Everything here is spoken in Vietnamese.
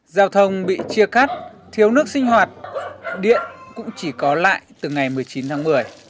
giao thông bị chia cắt thiếu nước sinh hoạt điện cũng chỉ có lại từ ngày một mươi chín tháng một mươi